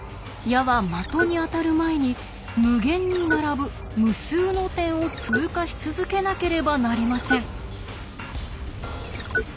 矢は的に当たる前に無限に並ぶ無数の点を通過し続けなければなりません。